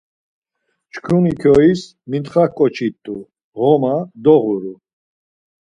Çkuni kyois mintxa ǩoç̌i t̆u, ğoma doğuru.